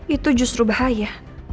itu justru bahaya